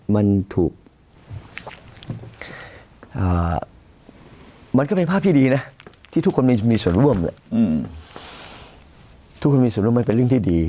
มันถูกมันก็เป็นภาพที่ดีนะที่ทุกคนมีส่วนร่วมทุกคนมีส่วนร่วมมันเป็นเรื่องที่ดี